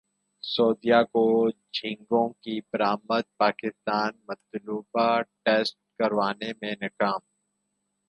سعودیہ کو جھینگوں کی برامد پاکستان مطلوبہ ٹیسٹ کروانے میں ناکام